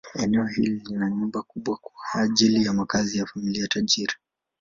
Eneo hili lina nyumba kubwa kwa ajili ya makazi ya familia tajiri.